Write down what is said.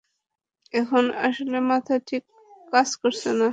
এখন আসলে মাথা ঠিক কাজ করছে না!